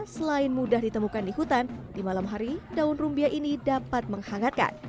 selain mudah ditemukan di hutan di malam hari daun rumbia ini dapat menghangatkan